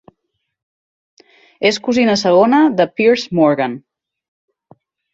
És cosina segona de Piers Morgan.